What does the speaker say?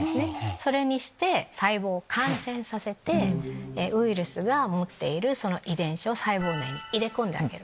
それにして細胞を感染させてウイルスが持っている遺伝子を細胞内に入れ込んであげる。